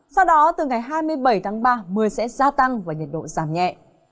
sau đó từ ngày hai mươi bảy tháng ba mưa sẽ gia tăng và nhiệt độ giảm nhẹ